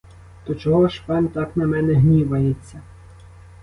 То чого ж пан так на мене гнівається?